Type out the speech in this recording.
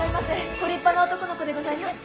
ご立派な男の子でございます。